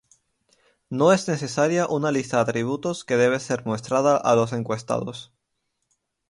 No es necesaria una lista de atributos que debe ser mostrada a los encuestados.